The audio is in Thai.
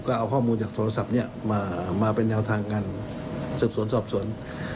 ก็เอาข้อมูลจากโทรศัพท์นี้มาเป็นแนวทางการสืบสวนสอบสวน